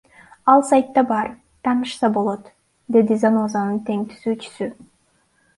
Ал сайтта бар, таанышса болот, — деди Занозанын тең түзүүчүсү.